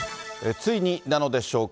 ついになのでしょうか。